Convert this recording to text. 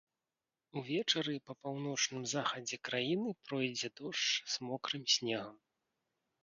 Увечары па паўночным захадзе краіны пройдзе дождж з мокрым снегам.